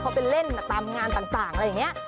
เขาไปเล่นตามงานต่างอะไรอย่างนี้